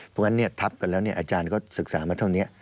เพราะฉะนั้นทับกันแล้วอาจารย์ก็ศึกษามาเท่านี้